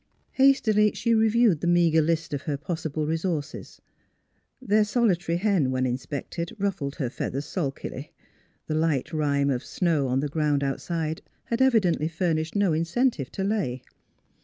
Hastily she reviewed the meager list of her pos sible resources. Their solitary hen when in 70 NEIGHBORS 71 spected ruffled her feathers sulkily; the light rime of snow on the ground outside had evidently fur nished no incentive to lay.